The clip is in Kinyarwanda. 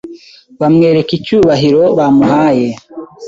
bamwereka icyubahiro bamuhaye